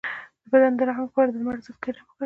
د بدن د رنګ لپاره د لمر ضد کریم وکاروئ